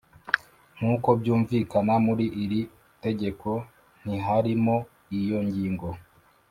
nkuko byumvikana muri iri tegeko ntiharimo iyo ngingo